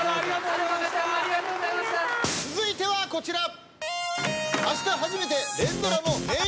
続いてはこちら。